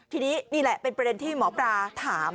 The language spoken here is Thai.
ทีนี้นี่แหละเป็นประเด็นที่หมอปลาถาม